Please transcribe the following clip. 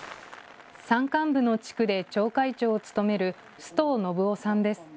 山間部の地区で町会長を務める須藤信夫さんです。